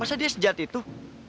masa dia sejat itu